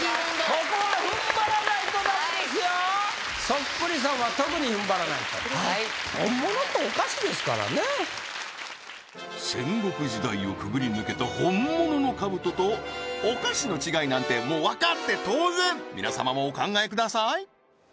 そっくりさんは特にふんばらないとはい本物とお菓子ですからね戦国時代をくぐり抜けた本物の兜とお菓子の違いなんてもうわかって当然皆様もお考えください